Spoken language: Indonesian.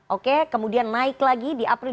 oke kemudian naik lagi di april